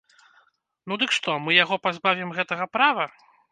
Ну дык што, мы яго пазбавім гэтага права?